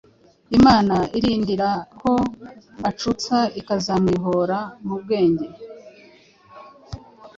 Imana irindira ko acutsa Ikazamwihora mu bwenge !